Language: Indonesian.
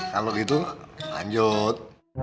kalau gitu lanjut